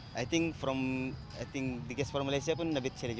saya pikir dari malaysia pun lebih challenge